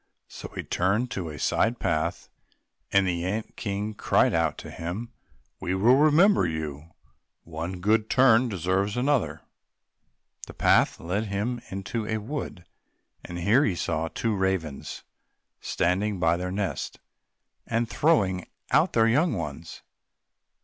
So he turned on to a side path and the ant king cried out to him, "We will remember you—one good turn deserves another!" The path led him into a wood, and here he saw two old ravens standing by their nest, and throwing out their young ones.